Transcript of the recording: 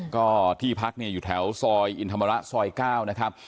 ก็ที่พักเนี่ยอยู่แถวซอยอินธรรมระซอย๙นะครับ